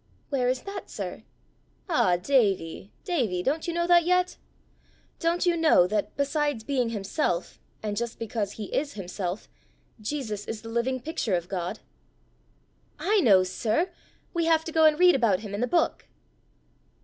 "Where is that, sir?" "Ah, Davie, Davie! don't you know that yet? Don't you know that, besides being himself, and just because he is himself, Jesus is the living picture of God?" "I know, sir! We have to go and read about him in the book."